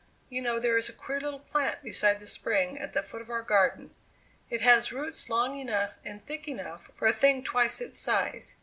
You know there is a queer little plant beside the spring at the foot of our garden; it has roots long enough and thick enough for a thing twice its size.